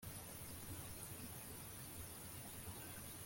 gusa biza kugaragara ko inzira yo kuritanga ishobora kuba yarajemo uburiganya